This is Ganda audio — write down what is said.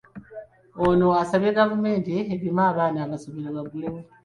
Ono asabye gavumenti egeme abaana, amasomero gaggulwewo.